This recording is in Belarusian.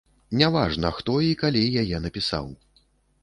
Не важна, хто і калі яе напісаў.